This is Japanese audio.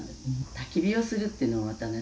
「たき火をするっていうのがまたね